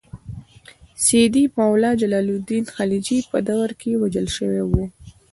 سیدي مولا د جلال الدین خلجي په دور کې وژل شوی و.